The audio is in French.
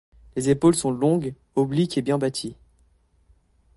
Les épaules sont longues, obliques et bien bâties.